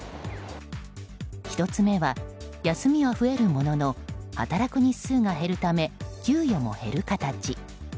１つ目は、休みは増えるものの働く日数が減るため給与も減る形。